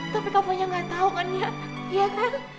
tapi kak vanya gak tau kan ya iya kan